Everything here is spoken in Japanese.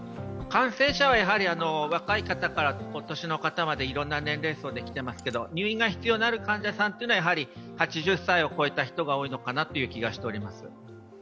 感染者はやはり若い方からお年の方からいろんな年齢層で来ていますけれども入院が必要になる患者さんは８０歳を超えた人が多いのかなという気がしています。